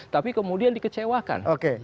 tapi kemudian dikecewakan